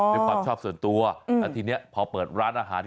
เป็นความชอบส่วนตัวอันนี้พอเปิดร้านอาหาร